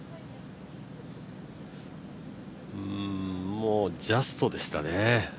もうジャストでしたね。